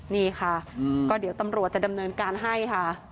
นี่ค่ะก็เดี๋ยวตำรวจจะดำเนินการให้ค่ะ